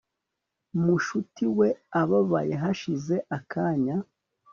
mushuti we ababaye hashize akanya